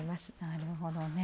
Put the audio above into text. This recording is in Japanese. なるほどね。